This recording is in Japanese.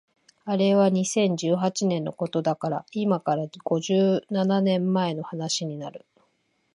あれは二千十八年のことだから今から五十七年前の話になる